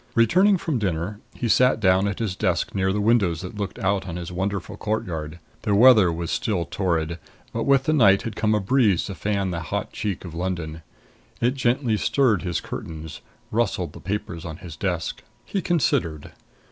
Returning from dinner, he sat down at his desk near the windows that looked out on his wonderful courtyard. The weather was still torrid, but with the night had come a breeze to fan the hot cheek of London. It gently stirred his curtains; rustled the papers on his desk. He considered.